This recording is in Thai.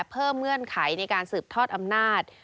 เงื่อนไขในการสืบทอดอำนาจ